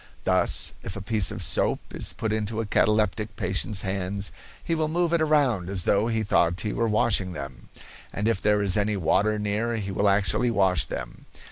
Thus, if a piece of soap is put into a cataleptic patient's hands; he will move it around as though he thought he were washing them, and if there is any water near he will actually wash them.